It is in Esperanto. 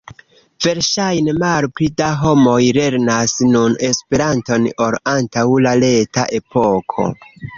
Verŝajne malpli da homoj lernas nun Esperanton ol antaŭ la reta epoko.